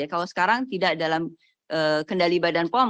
kalau sekarang tidak dalam kendali badan pom